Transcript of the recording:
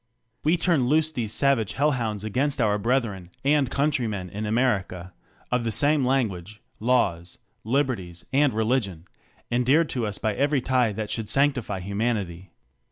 We turn loose these savage hell hounds against our brethren and countrymen in America, of the same language, laws, liberties, and religion ; endeared to us by every tie that should sanctify humanity.